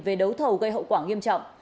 về đấu thầu gây hậu quả nghiêm trọng